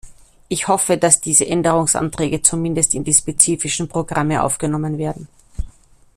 Ich hoffe, dass diese Änderungsanträge zumindest in die spezifischen Programme aufgenommen werden.